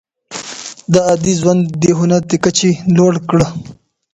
ده عادي ژوند د هنر تر کچې لوړ کړ.